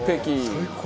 最高！